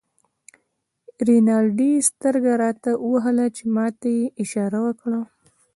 رینالډي سترګه راته ووهله چې ما ته یې اشاره وکړه.